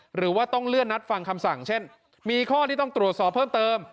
หรือว่าต้องเลื่อนนัดฟังคำสั่งเช่นมีข้อที่ต้องตรวจสอบเพิ่มเติม